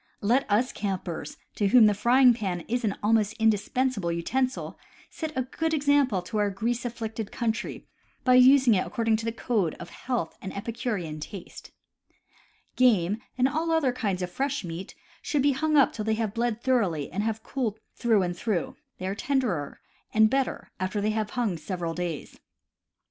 Let us campers, to whom the frying pan is an almost indispensable utensil, set a good example to our grease afflicted country by using it according to the code of health and epicurean taste. Game, and all other kinds of fresh meat, should be hung up till they have bled thoroughly and have cooled through and through — they are tenderer and better after they have hung several days.